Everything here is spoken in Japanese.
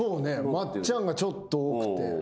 松ちゃんがちょっと多くて。